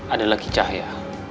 adalah kicah ya